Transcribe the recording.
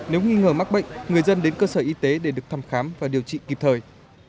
nếu nghi ngờ mắc bệnh người dân đến cơ sở y tế để được thăm khám và điều trị kịp thời